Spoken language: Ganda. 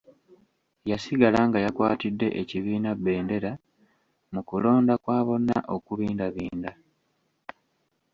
Yasigala nga yakwatidde ekibiina bbendera mu kulonda kwa bonna okubindabinda